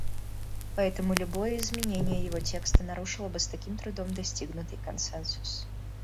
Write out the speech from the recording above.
Поэтому любое изменение его текста нарушило бы с таким трудом достигнутый консенсус.